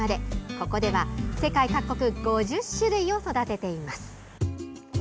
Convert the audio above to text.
ここでは世界各国５０種類を育てています。